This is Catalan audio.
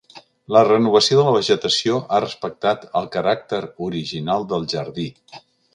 La renovació de la vegetació ha respectat el caràcter original del jardí.